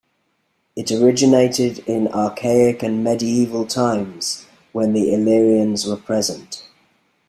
It originated in Archaic and Medieval times, when the Illyrians were present.